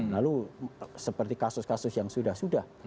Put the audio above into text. lalu seperti kasus kasus yang sudah sudah